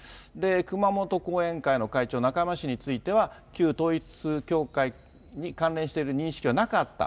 熊本後援会の会長、中山氏については、旧統一教会に関連している認識はなかった。